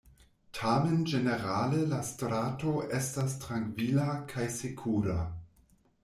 Tamen ĝenerale la strato estas trankvila kaj sekura.